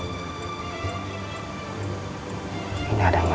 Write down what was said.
kok tiba tiba nggak aktif ya